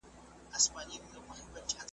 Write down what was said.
په لستوڼي کي خنجر د رقیب وینم .